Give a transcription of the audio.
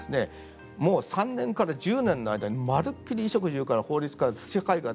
もう３年から１０年の間にまるっきり衣食住から法律から社会が。